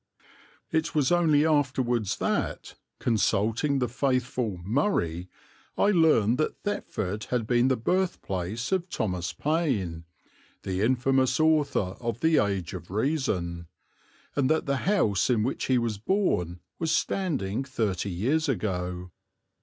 It was only afterwards that, consulting the faithful "Murray," I learned that Thetford had been the birthplace of Thomas Paine, "the infamous author of The Age of Reason," and that the house in which he was born was standing thirty years ago.